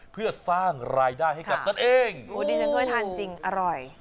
เพื่อสร้างรายได้ให้กับตนเองโอ้ดิฉันเคยทานจริงอร่อย